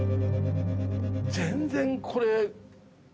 全然これ。